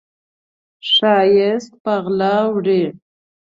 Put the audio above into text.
ښایست په غلا وړي